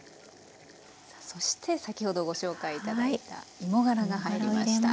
さあそして先ほどご紹介頂いた芋がらが入りました。